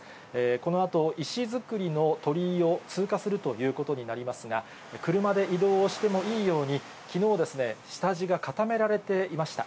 このあと石造りの鳥居を通過するということになりますが、車で移動をしてもいいようにきのう、下地が固められていました。